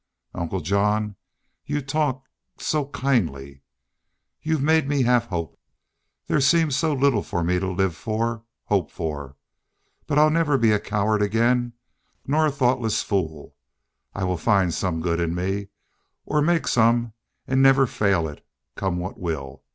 "Uncle John, y'u talk so so kindly. Yu make me have hope. There seemed really so little for me to live for hope for.... But I'll never be a coward again nor a thoughtless fool. I'll find some good in me or make some and never fail it, come what will.